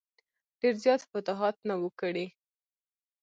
ډېر زیات فتوحات نه وه کړي.